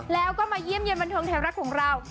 แล้วก็มาเยี่ยมเย็นบันเทิงไทยรัฐของเรา